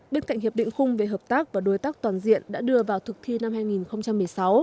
bên cạnh hiệp định khung về hợp tác và đối tác toàn diện đã đưa vào thực thi năm hai nghìn một mươi sáu